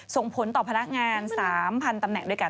ส่งผลต่อพนักงาน๓๐๐ตำแหน่งด้วยกัน